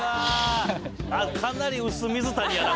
かなり薄水谷やな